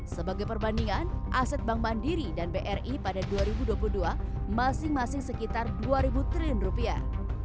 sebagai perbandingan aset bank mandiri dan bri pada dua ribu dua puluh dua masing masing sekitar dua triliun rupiah